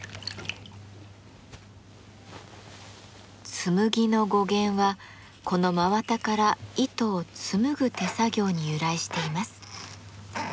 「紬」の語源はこの真綿から糸を紡ぐ手作業に由来しています。